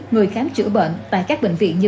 người khám chữa bệnh tại các bệnh viện như